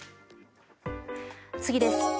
次です。